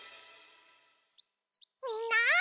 みんな。